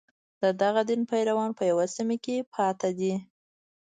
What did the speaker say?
د دغه دین پیروان په یوه سیمه کې پاتې دي.